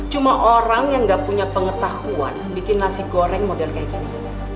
cuma orang yang tidak punya pengetahuan membuat nasi goreng model seperti ini